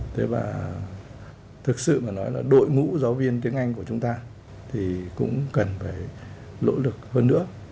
thế và thực sự mà nói là đội ngũ giáo viên tiếng anh của chúng ta thì cũng cần phải nỗ lực hơn nữa